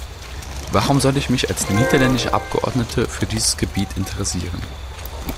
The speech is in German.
Warum soll ich mich als niederländische Abgeordnete für dieses Gebiet interessieren?